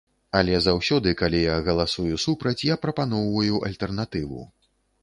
Але заўсёды, калі я галасую супраць, я прапаноўваю альтэрнатыву.